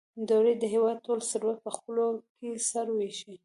دوی د هېواد ټول ثروت په خپلو کې سره وېشي.